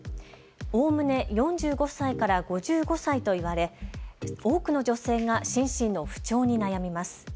おおむね４５歳から５５歳といわれ多くの女性が心身の不調に悩みます。